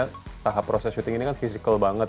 ternyata tahap proses shooting ini kan fisikal banget